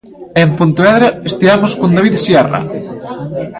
E en Pontevedra estivemos con David Sierra.